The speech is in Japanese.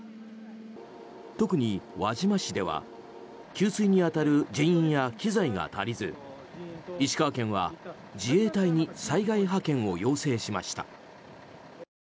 特に輪島市では給水に当たる人員や機材が足りず石川県は自衛隊に災害派遣を要請しました。